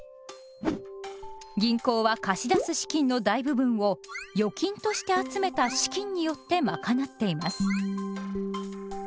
銀行は貸し出す資金の大部分を預金として集めた資金によってまかなっています。